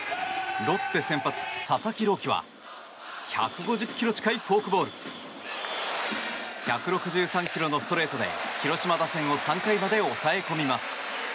ロッテ先発、佐々木朗希は１５０ｋｍ近いフォークボール１６３ｋｍのストレートで広島打線を３回まで抑え込みます。